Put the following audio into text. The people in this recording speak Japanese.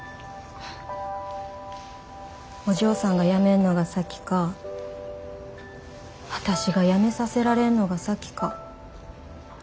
お嬢さんが辞めんのが先か私が辞めさせられんのが先か。